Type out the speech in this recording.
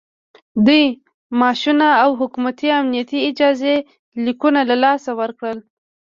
دوی معاشونه او حکومتي امنیتي اجازه لیکونه له لاسه ورکړل